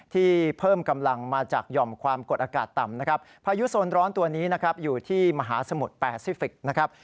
ที่เพิ่มกำลังมาจากหย่อมความกดอากาศต่ำนะครับพายุโซนร้อนตัวนี้นะครับอยู่ที่มหาสมุทรแปซิฟิกนะครับ